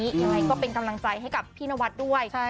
ยังไงก็เป็นกำลังใจให้กับพี่นวัดด้วย